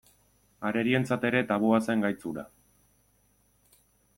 Arerioentzat ere tabua zen gaitz hura.